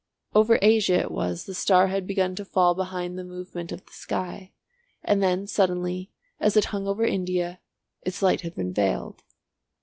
Over Asia it was the star had begun to fall behind the movement of the sky, and then suddenly, as it hung over India, its light had been veiled.